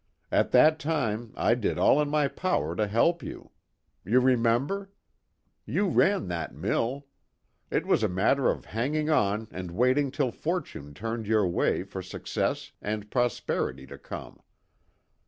At that time I did all in my power to help you. You remember? You ran that mill. It was a matter of hanging on and waiting till fortune turned your way for success and prosperity to come.